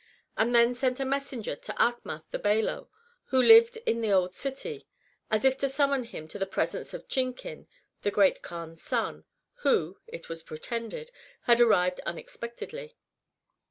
He then sent a messensfer to Achmath the Bailo, who lived in the Old City, as if to summon him to the presence of Chinkin, the Great Kaan's son, who (it was pretended) had arrived unex pectedly.